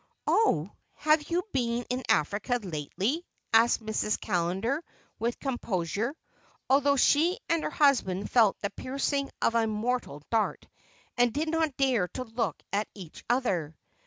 "Oh, have you been in Africa lately?" asked Mrs. Callender with composure, although she and her husband felt the piercing of a mortal dart, and did not dare to look at each other.